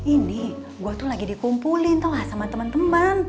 ini gue tuh lagi dikumpulin tau lah sama temen temen